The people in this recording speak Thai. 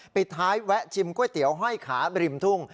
ปิดท้ายแวะชิมก๋วยเตี๋ยวห้อยขาบริมทุ่ง